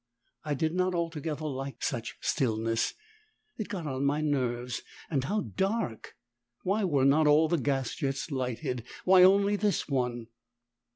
I did not altogether like such stillness, it got on my nerves. And how dark! Why were not all the gas jets lighted why only this one?